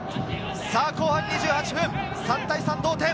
後半２８分、３対３の同点。